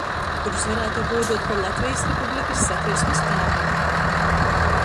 Kurus varātu gūduot par Latvejis Republikys Satversmis tāvim.